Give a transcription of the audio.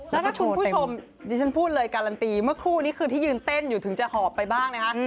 แล้วก็คุณผู้ชมดิฉันพูดเลยการันตีเมื่อครู่นี้คือที่ยืนเต้นอยู่ถึงจะหอบไปบ้างนะคะ